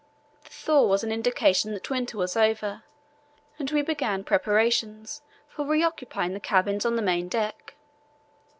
The thaw was an indication that winter was over, and we began preparations for reoccupying the cabins on the main deck.